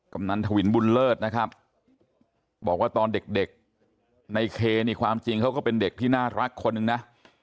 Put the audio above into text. กำนันทวินบุญเลิศนะครับบอกว่าตอนเด็กในเคนี่ความจริงเขาก็เป็นเด็กที่น่ารักคนหนึ่งนะ